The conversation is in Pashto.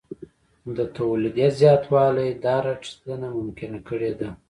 د تولیدیت زیاتوالی دا راټیټېدنه ممکنه کړې ده